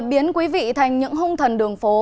biến quý vị thành những hung thần đường phố